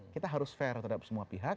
kita harus fair terhadap semua pihak